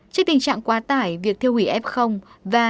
trước tình trạng quá tải việc thiêu hủy f và